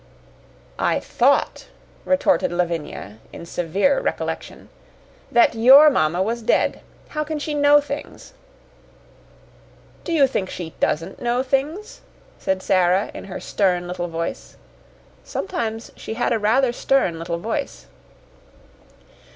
"I thought," retorted Lavinia, in severe recollection, "that your mamma was dead. How can she know things?" "Do you think she DOESN'T know things?" said Sara, in her stern little voice. Sometimes she had a rather stern little voice.